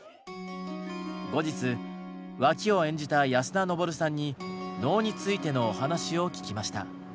後日ワキを演じた安田登さんに能についてのお話を聞きました。